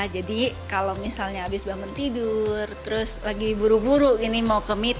jadi kalau misalnya habis bangun tidur terus lagi buru buru ini mau ke meetup